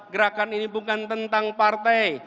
gerakan ini bukan tentang partai